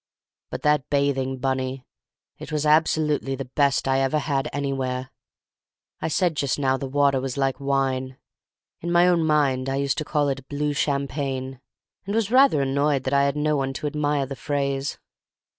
"But that bathing, Bunny; it was absolutely the best I ever had anywhere. I said just now the water was like wine; in my own mind I used to call it blue champagne, and was rather annoyed that I had no one to admire the phrase.